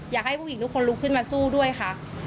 อยากให้ผู้หญิงทุกคนลุกขึ้นมาสู้ด้วยค่ะ